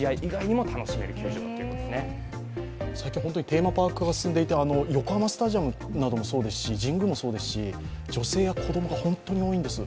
テーマパーク化が進んでいて横浜スタジアムなどもそうですし神宮もそうですし女性や子供が本当に多いんです。